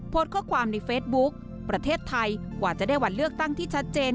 โพสต์ข้อความในเฟซบุ๊คประเทศไทยกว่าจะได้วันเลือกตั้งที่ชัดเจน